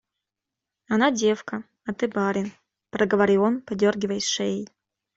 Она девка, а ты барин, — проговорил он, подергиваясь шеей.